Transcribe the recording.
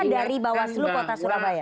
dari bawaslu kota surabaya